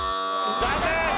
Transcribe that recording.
残念！